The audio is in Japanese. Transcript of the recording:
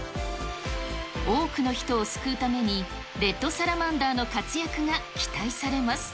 多くの人を救うために、レッドサラマンダーの活躍が期待されます。